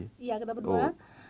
iya kita berdua